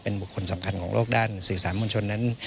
เป็นบุคคลสำคัญของโลกด้านสื่อสารมวลชนนั้น